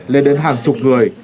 lên đến hàng chục người